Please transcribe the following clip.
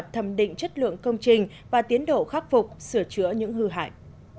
thẩm định chất lượng công trình và tiến độ khắc phục sửa chữa những hư hại